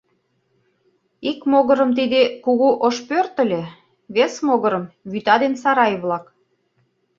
Ик могырым тиде кугу ош пӧрт ыле, вес могырым — вӱта ден сарай-влак.